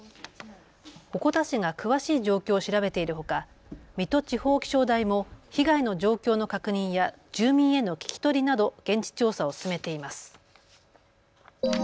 鉾田市が詳しい状況を調べているほか、水戸地方気象台も被害の状況の確認や住民への聞き取りなど現地調査を進めています。